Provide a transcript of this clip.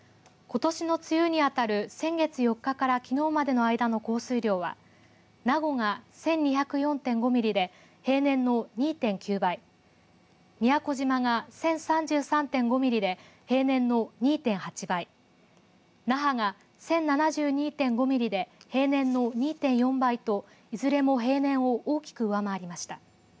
ことしの梅雨にあたる先月４日からきのうまでの間の降水量は名護が１２０４．５ミリで平年の２．９倍、宮古島が１０３３．５ミリで平年の２．８倍、那覇が１０７２．５ミリで平年の２．４倍といずれも平年を大きく上回りました。